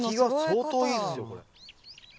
できが相当いいっすよこれ。